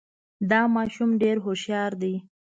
دا ماشوم ډېر هوښیار دی